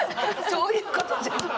そういうことじゃない。